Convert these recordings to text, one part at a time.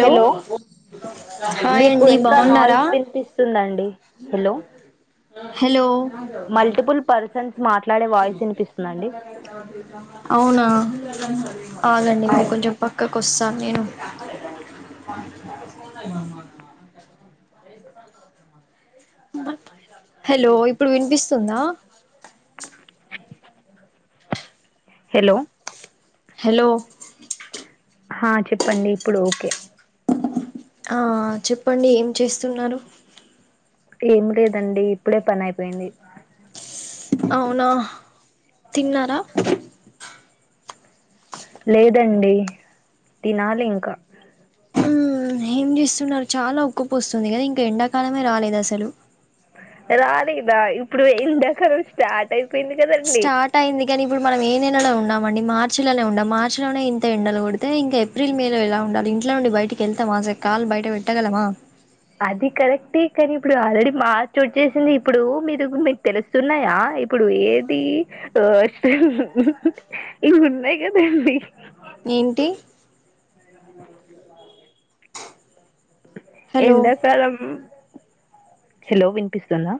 Hello hi మీకు అండి వెనక బాగున్నారా నాయిస్ వినిపిస్తుందండి హలో హలో మల్టిపుల్ పర్సన్స్ మాట్లా అవునా ఆగండి అవును కొంచెం పక్క కొస్స నేను [inaudible] హలో ఇప్పుడు వినిపిస్తుందా హలో హలో హ చెప్పండి ఇప్పుడు ఓకే ఆ ఆ చెప్పండి ఏం చేస్తున్నారు ఏమి లేదండి ఇప్పుడే పని అయిపోయింది అవునా తిన్నారా లేదండి తినాలి ఇంకా మ్మ్ ఏం చేస్తున్నారు చాలా ఉక్కు పొస్తుంది కదా ఇంకా ఎండాకాలమే రాలేదు అసలు ఇప్పుడు ఎండాకాలం స్టార్ట్ అయి స్టార్ట్ అయింది కాని ఇప్పుడు మనం ఏ నెలలో ఉన్నామండి మార్చిలోనే ఉండాం మార్చి లోనే ఇంత ఎండలు కొడితే ఇంకా ఏప్రిల్ మే లో ఎలా ఉండాలి ఇంట్లో నుండి బయటికి వెళ్తే అసలు కాళ్లు బయట పెట్టగలమా అది కరెక్టే కానీ ఇప్పుడు ఆల్రెడీ మార్చ్ వచ్చె సింది ఇప్పుడు మీరు మీకు తెలుస్తున్నాయా ఇప్పుడు ఏది ఏంటి [inaudible] హలో ఎండకాలం హలో వినిపిస్తుందా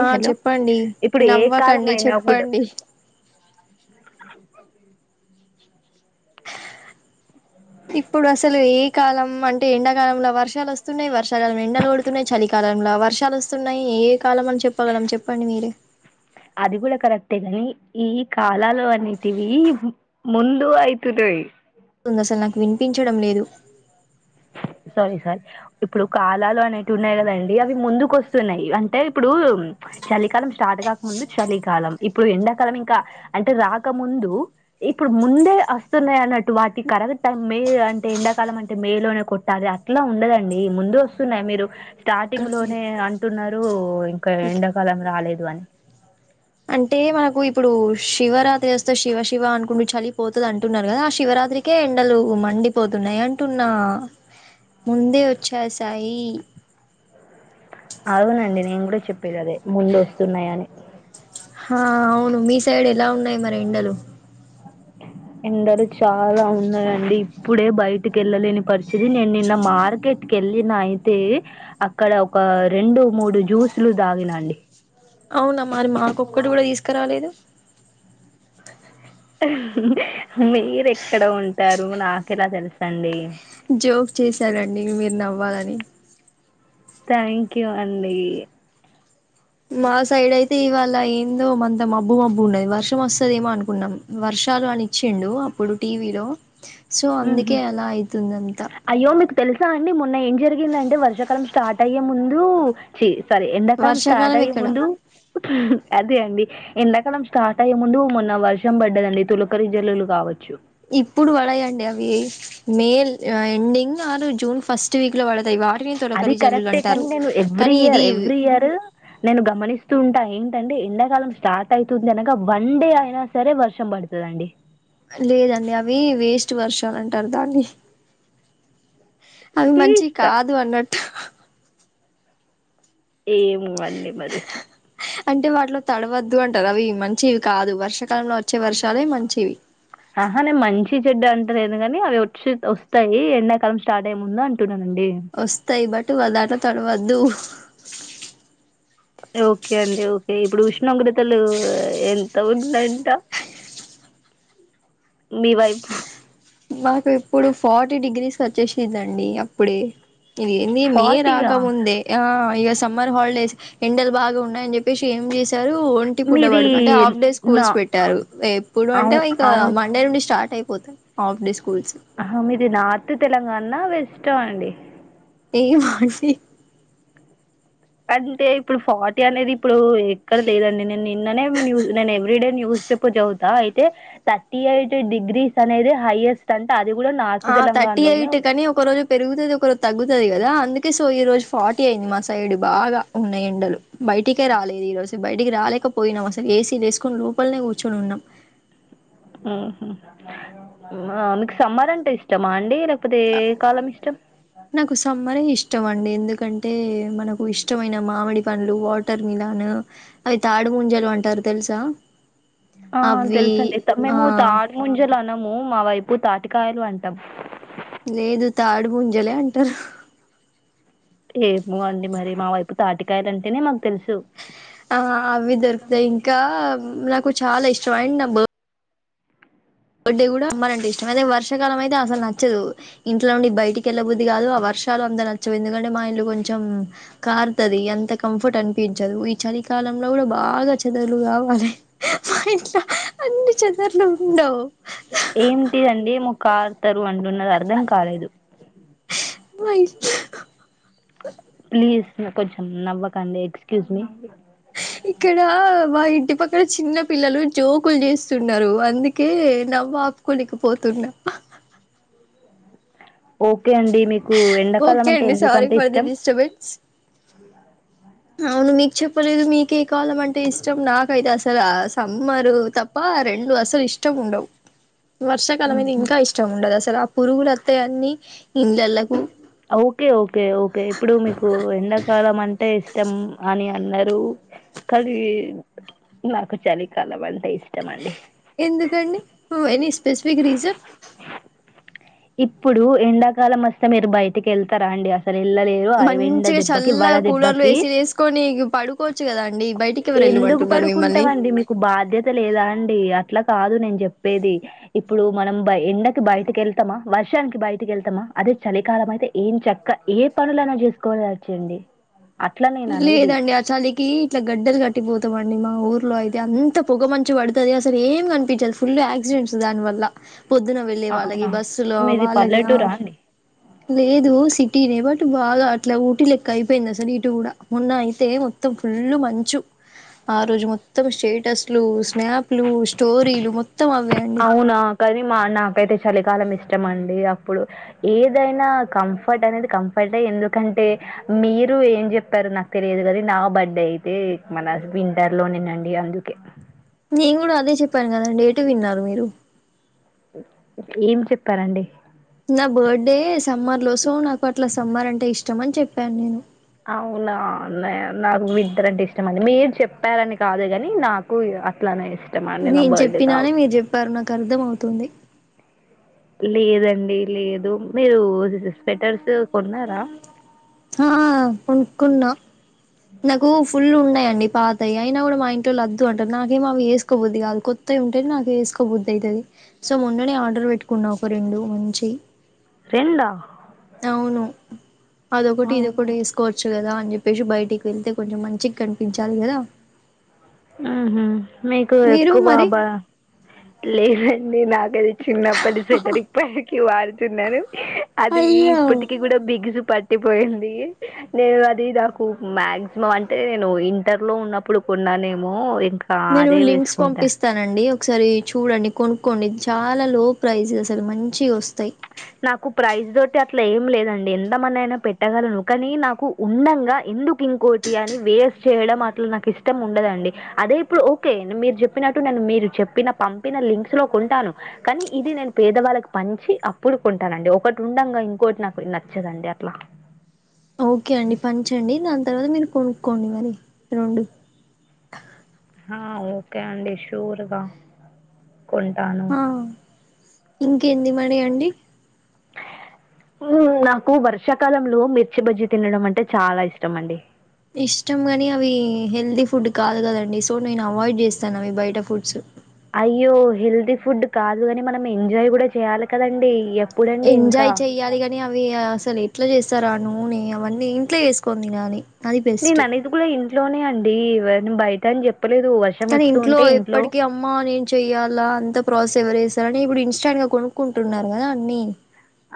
ఆ హలో చెప్పండి ఇప్పుడు ఏ కాలం నవ్వకండి అయినాప్పుడు [inaudible] చెప్పండి తీ ఇప్పుడు అసలు ఏ కాలం అంటే ఎండాకాలంలో వర్షాలు వస్తున్నాయి వర్షాకాలంలో ఎండలు కొడుతున్నాయి చలికాలంలో ఆ వర్షాలు వస్తున్నాయి ఏ కాలం అని చెప్పగలం చెప్పండి మీరు అది కూడా కరెక్టేగాని ఈ కాలాలు అనేటివి ముందు అయితున్నాయి హే నువ్వు అసలు నాకు వినిపించడం లేదు సారీ సారీ ఇప్పుడు కాలాలు అనేటివి ఉన్నాయి కదండి అవి ముందుకు వస్తున్నాయి అంటే ఇప్పుడు చలికాలం స్టార్ట్ కాకముందు చలికాలం ఇప్పుడు ఎండాకాలం ఇంకా అంటే రాకముందు ఇప్పుడు ముందే వస్తున్నాయి అన్నట్టు వాటికి కరెక్ట్ టైం మే అంటే ఎండాకాలం అంటే మే లోనే కొట్టాలి అట్లా ఉండదండి ముందు వస్తున్నాయి మీరు స్టార్టింగ్ లోనే అంటున్నారు ఇంకా ఎండాకాలం రాలేదు అని అంటే మనకు ఇప్పుడు శివరాత్రి వస్తే శివ శివ అనుకుంట చలిపోతది అంటున్నారు కదా ఆ శివరాత్రికే ఎండలు మండిపోతు న్నాయి అంటున్నా ముందే వచ్చేశాయి అవునండి నేను కూడా చెప్పేది అదే ముందు వస్తున్నాయ అని హా అవును మీ సైడ్ ఎలా ఉన్నాయి మరి ఎండలు ఎండలు చాలా ఉన్నాయండి ఇప్పుడే బయటికి ఏళ్ళలేని పరిస్థితి నేను నిన్న మార్కెట్కి కెళ్ళిన అయితే అక్కడ ఒక రెండు మూడు జ్యూసులు దాగినండి అవునా మరి మాకొక్కటి కూడా తీసుకురాలేదు మీరు ఎక్కడ ఉంటారు నాకెలా తెలుసండి జోక్ చేశారండి మీరు నవ్వాలని థ్యాంక్ యూ అండి మా సైడ్ అయితే ఇవాళ ఏందో మతం మబ్బు మబ్బు ఉండది వర్షం వస్తుదేమో అనుకున్నాం వర్షం ర్షాలు అని ఇచ్చాండు అప్పుడు టీవీలో సో హుహు. అందుకే అలా అయితుంది అంతా అయ్యో! మీకు తెలుసా అండి మొన్న ఏం జరిగిందంటే వర్షాకాలం స్టార్ట్ అయ్యే ముందు చి సారీ ఎండాకాలం స్టార్ట్ వర్షాకాలం అయ్యే ఎక్కడ ముందు అదే అండి ఎండాకాలం స్టార్ట్ అయ్యే ముందు మొన్న వర్షం పడ్డదండి తులకరి జల్లులు కావచ్చు ఇప్పుడు పడాయండి అవి మేల్ మే ఎండింగ్ ఆరు జూన్ ఫస్ట్ వీక్ లో పడతాయి వాటిని అది తొలకరి జల్లులు కరెక్టే కానీ అంటారు నేను ఎవ్రీ కానీ ఇయర్ ఇది ఎవ్రీ ఇయర్ నేను గమనిస్తూ ఉంటా ఏంటండి ఎండాకాలం స్టార్ట్ అయితుంది అనక వన్ డే అయినా సరే వర్షం పడుతదండి లేదండి అవి వేస్ట్ వర్షాలు అంటారు దాన్ని అవి మంచి తీస్తా కాదు అన్నట్ ఏము మళ్ళీ మరి అంటే వాటిలో తడవద్దు అంటారు అవి మంచివి కాదు వర్షాకాలంలో వచ్చే వర్షాలే మంచివి ఆహానే మంచి చెడ్డ అంటలేదు కాని అవి వచ్చి వస్తాయి ఎండాకాలం స్టార్ట్ అయ్యే ముందు అన్ వస్తతాయి బట్ట వదంట్లో తడువద్దు ఓకే అండి ఓకే ఇప్పుడు ఉష్ణోగ్రతలు ఎంత ఉందంట మీ వైపు మాకు ఇప్పుడు ఫార్టీ డిగ్రీస్ వచ్చేసిందండి అప్పుడే ఇది ఏంది మే ఫార్టీయా రాకముందే ఆ ఇక సమ్మర్ హాలిడేస్ ఎండలు బాగా ఉన్నాయని చెప్పేసి ఏం చేస్ ఒంటి పూట మీది బడులు అంటే హాఫ్ డే నా స్కూల్స్ పెట్టారు ఎప్పుడు అంటే అవు ఇక అవును మండే నుండి స్టార్ట్ అయిపో పోతె అప్ డేస్కుల్స్ ఆహ మీది నార్త్ తెలంగాణ న వెస్ట్ అండి ఏమో అండి అంటే ఇప్పుడు ఫార్టీ అనేది ఇప్పుడు ఎక్కడ లేదండి నేను నిన్ననే న్యూ నేను ఎవ్రీడే న్యూస్ పేపర్ చదువుతా అయితే థర్టీ ఎయిట్ డిగ్రీస్ అనేది హైయెస్ట్ అంటే అది కూడా నార్త్ ఆ థర్టీ తెలంగాణలోనే ఎయిట్ వచ్చు కని ఒక రోజు పెరుగుతది ఒక రోజు తగ్గుతది కదా కదా అందుకే సో ఈ రోజు ఫార్టీ అయింది మా సైడ్ బాగా ఉన్నాయి ఎండలు బయటికే రాలేదు ఈ రోజు బయట డికి రాలేకపోయినాం అసలు ఏసీలె ఎసుకొనిలోపలనే కూర్చొని ఉన్నాం హ్మ హ్మ మీకు సమ్మర్ అంటే ఇష్టమా అండి లే కపోతే ఏ కాలంఇష్టం నాకు సమ్మరే ఇష్టం అండి ఎందుకంటే మనకు ఇష్టమైన మామిడి పండ్లు వాటర్ మిలన్ అవి తాడు ముంజలు అంటారు తెలుసా ఆ అవి తెలుసండి ఆ మేము తాటిముంజలు అనము మా వైప్ తాటికాయలు అంటాం లేదు తాడుముంజలే అంటారు ఏమో అండి మరి మా వైపు తాటికాయలు అంటేనే మాకు తెలుసు ఆ అవి దొరుకుతాయి ఇంకా నాకు చాలా ఇష్టం అండ్. నా బ బర్త్డే కూడా సమ్మర్‌ అంటెఇష్టం అయితే వర్షకాలం అయితే అసలు నచ్చదు, ఇంట్లోండి బయటికి వెళ్ళబుద్ది కాదు ఆ వర్ష వర్షాలుఅంత నచ్చవు ఎందుకంటే మా ఇల్లు కొంచెం కార్తది అంత కంఫర్ట్ అనిపించదు ఈ చలి కాల కాలంలో కూడా బాగా చదరలు కావాలి మా ఇంట్లో అన్ని చదరలు ఉండవు, ఏంటిదండి ఎమోకారుతరు అంటున్నది అర్థం కాలేదు, మా ఇల్లు ప్లీజ్ కొంచెం మీరు నవ్వకండి ఎక్స్క్యూజ్ మీ ఇక్కడ మాఇంటి పక్కన చిన్న పిల్లలు జోకులు చేస్తున్నారు, అందుకే నవ్వా ఆపుకోలేకపోతు [unintelligible] ఓకే అండి మీకు మీకు ఎండాకాలం ఓకే అంటే అండి సారీ ఫర్ ది ఎందుకంతఇష్టం డిస్టర్బెన్స్ అవును మీకు చెప్పలేదు మీకే కాలం అంటే ఇష్టం నాకైతే అసలు సమ్మరు తప్ప, ఆరెండుఅసలు ఇష్టంఉండవు. వర్షాకాలం అయితె ఆహా ఇంకా ఇష్టం ఉండదు అసలు ఆ పురుగులత్తయిఅన్ని ఓకే ఓకే ఓకే ఇప్పుడు మీకు ఎండాకాలం అంటే ఇష్ తెంఅని అన్నారు కది నాకు చలికాలం అంటే ఇష్టం అండి, ఎందుకండి ఎనీ స్పెసిఫిక్ రీజన్ ఇప్పుడు ఎండాకాలం వస్తే మీరు బయటికి వెళ్తారా అండి అస మంచిగా చల్ల కూలర్లు దెబ్బకి ఏసీ వేసుకొని పడుకోవచ్చు, కదా అండి బయటికి ఎవరు ఎందుకు వెళ్ళమంటున్నారు మిమ్మల్ని పడుకుంటావండి మీకు బాధ్యత లేదా అండి అట్లా కాదు నేను చెప్పేది ఇప్పుడు మనం బ ఎండకి బయటకి వెళ్ మా వర్షానికి బయటికి వెళ్తామా అదే చలికాలం అయితే ఏం చక్క ఏ పనులైనా చేసుకోవచ్చు. అండి [unintelligible] లేదండి ఆ చలికి ఇట్లా గడ్డలు కట్టిపోతామండి మా ఊరు లో అయితే అంత పొగ మంచి పడుతుంది, అసలు ఏం కనిపించదు ఫుల్ యాక్సిడెంట్స్ దాని వల్ల పొద్దున వెళ్ళే వాళ్ళకి అవునా? బస్సులో మీది వాళ్ళకి పల్లెటూరా అండి? లేదు సిటీనే బట్ ఇటు బాగా అట్లా ఊటీ లెక్క అయిపోయిందిసలు ఇటు కూడా మొన్న అయితే మొత్తం ఫుల్ మంచు ఆ రోజు మొత్తం స్టేటస్ ట్లుస్నాప్, లు స్టోరీలు మొత్తం అవే అండి అవునా కది మనాకైతే చలికాలం ఇష్టం అండి అప్పుడు ఏదైనా కంఫర్ట్ అనేది కంఫర్ట్ అయి ఎందుకంటే మీరు ఏం చెప్పారు నాకు తెలియదు, కానీ నా బర్త్డే అయితే మన వింటర్ తర్లోనేనండి అందుకే నేను కూడా అదే చెప్పాను కదండి ఎటు విన్నారు మీరు, ఏం చెప్పారండి, నా బర్త్డే సమ్మర్ లోసో నాకు అట్లా సమ్మర్ అంటే ఇష్టం అని చెప్పాను నేను అవునాన్నా నాకు వెంటర్ అంటే ఇష్టం అండి మీరు చెప్పారని కాదు కాని నాకు, అట్లానే ఇష్టం అండి నా నేను బర్త్డే కా చెప్పినానే మీరు చెప్పారు నాకు అర్థం అవుతుంది. లేదండి లేదు మీరు స్వెటర్స్ కొన్నారా, ఆ కొనుకున్నా నాకు ఫుల్ ఉన్నాయి. అండి పాతాయి అయినా కూడా మా ఇంట్లో లద్దు అంటారు, నాకేమ అ వేసుకోబుద్ది కాదు కొత్తయి ఉంటేది నాకు ఎసుకోబుద్ది అయిది. సో మున్ననే ఆర్డర్ పెట్టుకున్నా ఒక రెండు మంచి రెండా అవును అదొకటి అవును ఇదికటి వేసుకోవచ్చు కదా అని చెప్పేసి బయటికి వెళ్తే కొంచెం మంచిగా కనిపించాలి కదా ఆహ మీకు మీరు ఎక్కువ మరి బాబా లేదండి నాకుది చిన్నప్పట్టి స్వెటర్ ఇప్పటికిీ వాడుతున్నాను అది అయ్యో ఇప్పటికీ కూడా బిగుసు పట్టిపోయింది, నేను అది నాకు మాయాక్సిమం అంటే నేను ఇంటర్ లో ఉన్నప్పుడు కొన్నానేమో, ో [unintelligible] నేను లింక్స్ పంపిస్తానండి ఒకసారి చూడండి కొనుక్కోండి చాలా లో ప్రైజ్ అసలు మంచివి వస్తాయి నాకు ప్రైజ్ తోటి అట్లా ఏం లేదండి ఎంతమనీ అయినా పెట్టగలను కానీ నాకు ఉండంగా ఎందుకు ఇంకోటి అని వేస్ట్ చేయడం అట్లా నాకు ఇష్టం ఉండదండి అదే ఇప్పుడు ఓకే మీరు చెప్పిన టు నన్న మీరు చెప్పిన పంపిన లింక్స్ లో కొంటాను కానీ ఇది నేను పేదవాళ్ళకి పంచి అప్పుడు కొంటానండి ఒకటి ఉండగా ఇంకోటి నాకు నచ్చదండి అట్లా ఓకే అండి పంచండి దాని తర్వాత మీరు కొనుక్కోండి మరి రెండు ఆ ఓకే అండి షూర్ గ ఆ ఇంకేంది మడి అండి ఉ నాకు వర్షాకాలంలో మిర్చి బజ్జి తినడం అంటే చాలా ఇష్టం అండి ఇష్టం కాని అవి హెల్తీ ఫుడ్ కాదు కదండి సో నేను అవాయిడ్ చేస్తాను అవి బయట ఫుడ్స్ అయ్యో హెల్తీ ఫుడ్ కాదు కాని మనం ఎంజాయ్ కూడా చేయాలి కదండి ఎంజాయ్ చెయ్యాలి కాని అవి అసలు ఎట్లా చేస్తరు స్తార నూనె అవన్నీ ఇంట్లో చేసుకోని తినాలి అది బెస్ట్ నేను అనేది కూడా ఇంట్లోనే అండి బయట అని చెప్ కానీ ఇంట్లో ఎప్పటికి అమ్మ నేను చెయ్యాలా అంత ప్రాసస్ ఎవరుచేస్తారని ఇప్పుడు ఇన్స్టాంట్గా కొనుక్కుంటున్నారు కదా అన్ని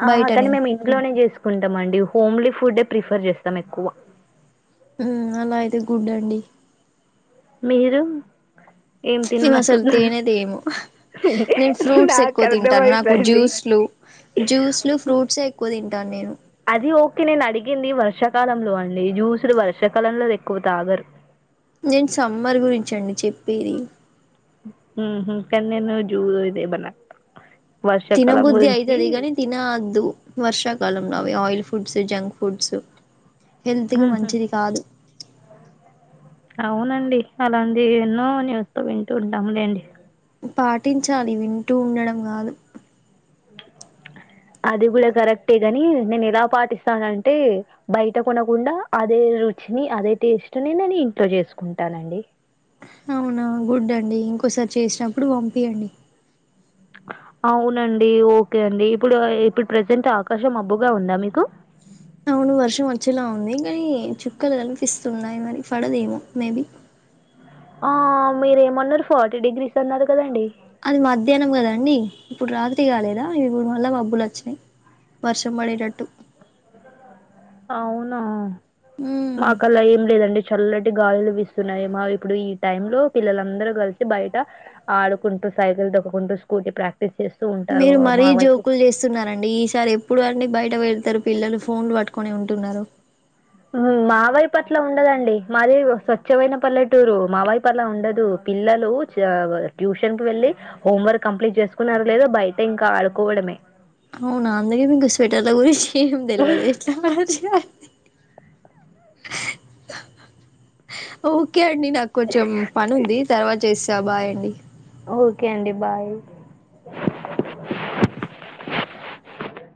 ఆహా కాని బయటనే మేము ఇంట్లోనే చేసుకుంటాం అండి హోమ్లీ ఫుడే ప్రిఫర్ చేస్తాం ఎక్కువ ఉ అలా అయితే గుడ్ అండి మీరు ఏం మేమ్ అసలు తిననట్టున్నారు? తేనేదేము నేను ఫ్రూట్స్ ఎక్కువ తింటాను నాకు నాకర్థమైందండి. జ్యూస్లు జ్యూస్లు ఫ్రూట్స్ ఎక్కువ తింటాను నేను తరిగింది వర్షాకాలంలో అండి జ్యూసులు వర్షాకాలంలో ఎక్కువ తాగరు నేను సమ్మర్ గురించండి చెప్పేది హ కానీ నేను జూ ఇద మన తిన బుద్ధి అయితది గాని తిన అద్దు వర్షాకాలం లొ అవి oil food foods junk foods health కి హుహు. మంచిది కాదు అవునండి అలాంటి ఎన్నో న్యూస్ లు వింటూ ఉంటాములేండి పాటించాలి వింటూ ఉండడం కాదు అది కూడా కరెక్టే గాని నేను ఎలా పాటిస్తానంటే బయట కొనకుండా అదే అదే రుచిని అదే టేస్ట్ ని నేను ఇంట్లో చేసుకుంటానండి అవునా గుడ్ అండి ఇంకోసారి చేసినప్పుడు పంపీయండి అవునండి ఓకే అండి ఇప్పుడు ఇప్పుడు ప్రజెంట్ ఆకాశం మబ్బుగా ఉందా మీకు అవును వర్షం వచ్చేలా ఉంది కానీ చుక్కలు కనిపిస్తున్నాయి మరి పడదేమో మేబి ఆ మీరేమన్నారు ఫార్టీ డిగ్రీస్ అన్నారు కదండి అది మధ్యాహ్నం కదాండి ఇప్పుడు రాత్రి కాలేదా ఇప్పుడు మళ్ళా మబ్బులు వచ్చినయి వర్షం బడేటట్టు అవునా మాకు అలా ఏం లేదండి చల్లటి గాలులు వీస్తున్నాయి మా ఇప్పుడు ఈ టైం లో పిల్లలందరూ కలిసి బయట ఆడుకుంటూ సై కు స్ూ ప్ర [unintelligible] మీరు మరీ జోకులు చేస్తున్నారండి ఈసారి ఎప్పుడు అండి బయట వెళ్తారు పిల్లలు ఫోన్లు పట్టుకొని ఉంటున్నారు మావైపు అట్ల ఉండదండి మాది స్వచ్ఛమైన పల్లెటూరు మావైపు అట్ల ఉండదు పిల్లలు ట్యూషన్ కుి వెళ్ళి హోంవర్క్ కంప్లీట్ చేసుకున్నారు లేదా బయట ఇంకా ఆడుకోవడమే అవునా లేదింగ స్వెటర్ల గురించి ఏం తెలువదు ఎట్లా [unintelligible] హా హా ఓకే అండి నాకు కొంచెం పని ఉంది తర్వాత చేసా బాయ్ అండి ఓకే అండి బాయ్